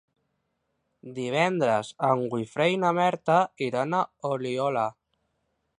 Divendres en Guifré i na Berta iran a Oliola.